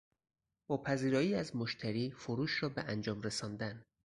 با پذیرایی از مشتری فروش را به انجام رساندن